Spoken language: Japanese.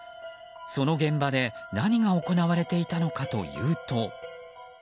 その現場で何が行われていたのかというと。